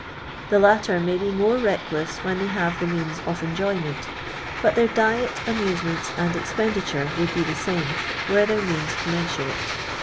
The latter may be more reckless when they have the means of enjoyment, but their diet, amusements, and expenditure would be the same, were their means commensurate.